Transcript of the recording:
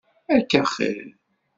Akka axir?